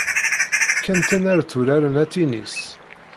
Kkan-tt-nn ar tturaren atinis.